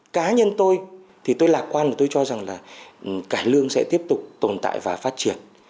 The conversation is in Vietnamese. cá nhân tôi thì tôi lạc quan và tôi cho rằng là cải lương sẽ tiếp tục tồn tại và phát triển